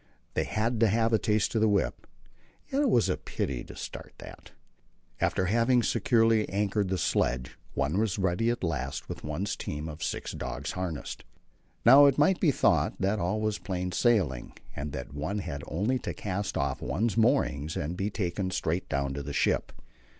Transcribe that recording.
They had to have a taste of the whip, and yet it was a pity to start that. After having securely anchored the sledge, one was ready at last with one's team of six dogs harnessed. Now it might be thought that all was plain sailing and that one had only to cast off one's moorings and be taken straight down to the ship.